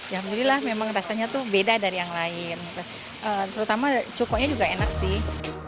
ya alhamdulillah memang rasanya tuh beda dari yang lain terutama cukoknya juga enak sih